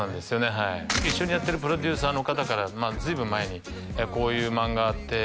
はい一緒にやってるプロデューサーの方から随分前に「こういう漫画あって」